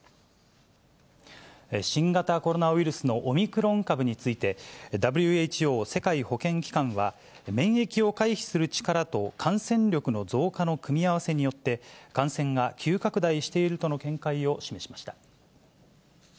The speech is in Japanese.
新型コロナウイルスのオミクロン株について、ＷＨＯ・世界保健機関は、免疫を回避する力と、感染力の増加の組み合わせによって、感染が急拡大しているとの見解を示しました。